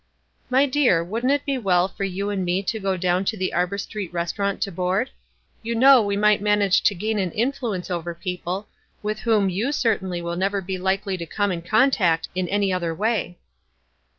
" My dear, wouldn't it be well for you and me to go down to the Arbor Street restaurant to board ? You know we might manage to gain an influence over people, with w r hom you certainly 176 WISE AND OTHEEWISE. will never be likely to come in contact in any other way."